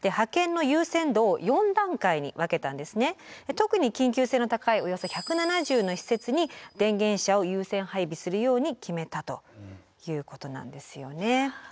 特に緊急性の高いおよそ１７０の施設に電源車を優先配備するように決めたということなんですよね。